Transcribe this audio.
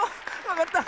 わかった。